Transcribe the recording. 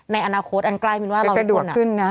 ในอนาคตอันใกล้มีเป็นว่าเราอีกคนนะ